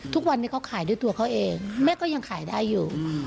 ทุกวันนี้เขาขายด้วยตัวเขาเองแม่ก็ยังขายได้อยู่